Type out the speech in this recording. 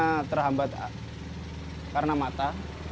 karena terhambat karena mata